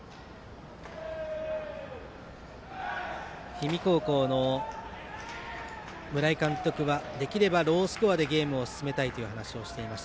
氷見高校の村井監督はできればロースコアでゲームを進めたいという話をしていました。